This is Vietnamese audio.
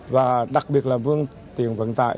và đặc biệt là phương tiện vận tải